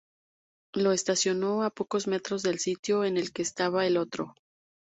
Lo estacionó a pocos metros del sitio en el que estaba el otro.